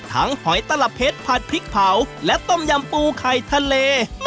หอยตลับเพชรผัดพริกเผาและต้มยำปูไข่ทะเล